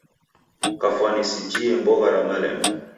Kafwani sijie mbogha ra malemba.